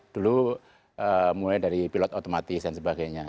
dulu mulai dari pilot otomatis dan sebagainya